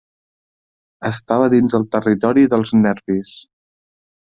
Estava dins el territori dels Nervis.